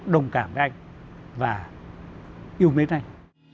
đồng cảm với anh và yêu mến anh